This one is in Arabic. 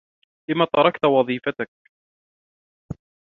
لمَ تركت وظيفتك؟